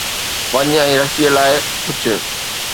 وڃ ۽ رسيءَ لاءِ پڇ